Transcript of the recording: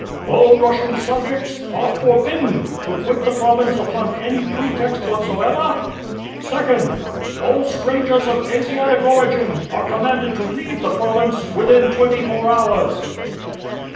All Russian subjects are forbidden to quit the province upon any pretext whatsoever. "2nd. All strangers of Asiatic origin are commanded to leave the province within twenty four hours."